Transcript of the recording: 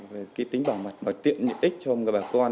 cái tính bảo mật và tiện nhiệm ích cho người bà con